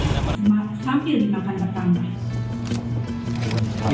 sampai lima kali bertambah